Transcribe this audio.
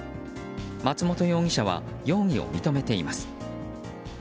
松本容疑者は容疑を認めています。